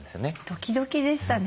ドキドキでしたね。